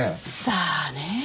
さあねぇ？